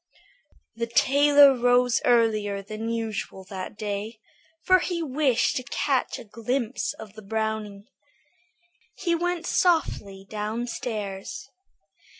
The tailor rose earlier than usual that day, for he wished to catch a glimpse of the brownies. He went softly downstairs.